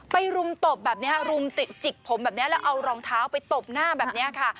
รุมตบแบบนี้รุมติดจิกผมแบบนี้แล้วเอารองเท้าไปตบหน้าแบบนี้ค่ะ